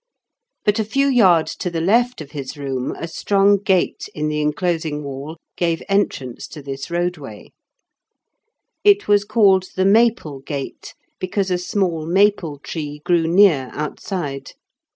But a few yards to the left of his room, a strong gate in the enclosing wall gave entrance to this roadway. It was called the Maple Gate, because a small maple tree grew near outside.